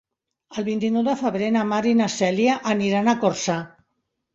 El vint-i-nou de febrer na Mar i na Cèlia aniran a Corçà.